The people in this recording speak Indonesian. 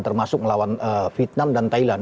termasuk melawan vietnam dan thailand